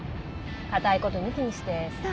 かたいこと抜きにしてさ。